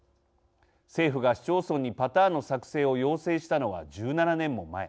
政府が市町村にパターンの作成を要請したのは１７年も前。